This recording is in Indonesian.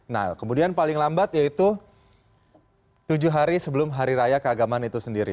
nah kemudian paling lambat yaitu tujuh hari sebelum hari raya keagamaan itu sendiri